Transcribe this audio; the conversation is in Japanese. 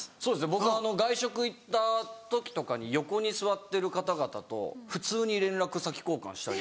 僕外食行った時とかに横に座ってる方々と普通に連絡先交換したり。